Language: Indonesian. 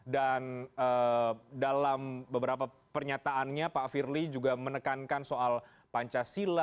dan dalam beberapa pernyataannya pak firly juga menekankan soal pancasila